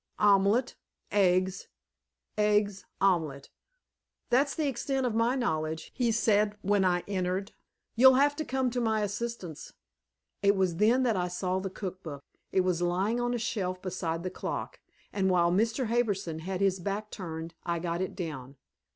"Omelet eggs. Eggs omelet. That's the extent of my knowledge," he said, when I entered. "You'll have to come to my assistance." It was then that I saw the cook book. It was lying on a shelf beside the clock, and while Mr. Harbison had his back turned I got it down.